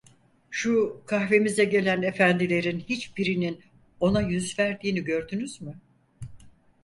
Şu kahvemize gelen efendilerin hiçbirinin ona yüz verdiğini gördünüz mü?